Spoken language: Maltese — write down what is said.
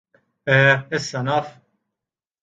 Eh, issa naf!